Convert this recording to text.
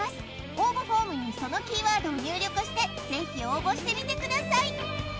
応募フォームにそのキーワードを入力してぜひ応募してみてください！